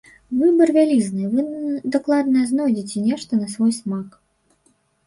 Выбар вялізны, вы дакладна знойдзеце нешта на свой смак.